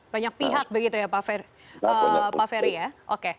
banyak pihak begitu ya pak ferry ya